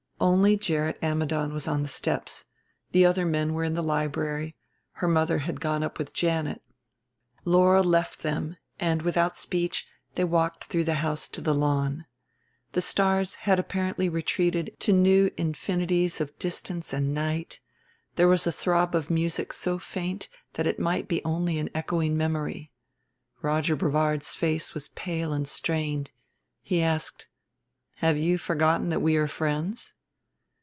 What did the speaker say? Only Gerrit Ammidon was on the steps, the other men were in the library; her mother had gone up with Janet. Laurel left them, and, without speech, they walked through the house to the lawn. The stars had apparently retreated to new infinities of distance and night, there was a throb of music so faint that it might be only an echoing memory; Roger Brevard's face was pale and strained. He asked: "Have you forgotten that we are friends?"